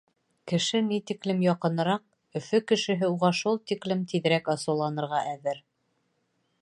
Кеше ни тиклем яҡыныраҡ, Өфө кешеһе уға шул тиклем тиҙерәк асыуланырға әҙер.